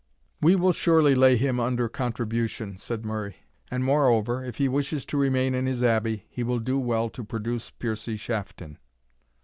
"We will surely lay him under contribution," said Murray; "and, moreover, if he desires to remain in his Abbey, he will do well to produce Piercie Shafton."